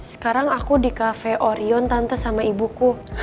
sekarang aku di cafe orion tante sama ibuku